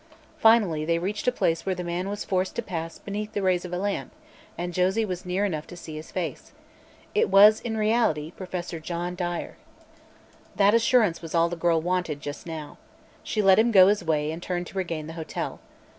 Finally they reached a place where the man was forced to pass beneath the rays of a lamp and Josie was near enough to see his face. It was, in reality, Professor John Dyer. That assurance was all the girl wanted, just now. She let him go his way and turned to regain the hotel.